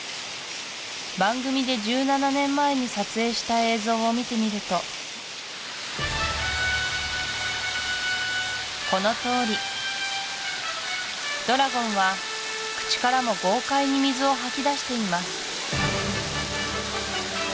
番組で１７年前に撮影した映像を見てみるとこのとおりドラゴンは口からも豪快に水を吐き出しています